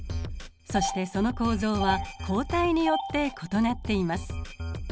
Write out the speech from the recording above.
そしてその構造は抗体によって異なっています。